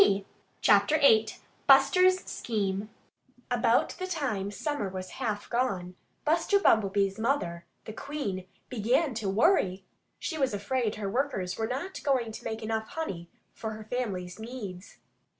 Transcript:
VIII BUSTER'S SCHEME About the time summer was half gone, Buster Bumblebee's mother, the Queen, began to worry. She was afraid her workers were not going to make enough honey for her family's needs.